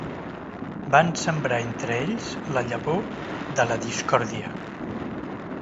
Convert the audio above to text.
Van sembrar entre ells la llavor de la discòrdia.